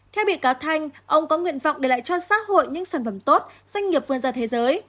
theo bị cáo thanh ông có nguyện vọng để lại cho xã hội những sản phẩm tốt doanh nghiệp vươn ra thế giới